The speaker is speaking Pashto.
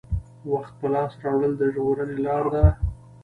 وخت په لاس راوړل د ژغورنې لاره ده.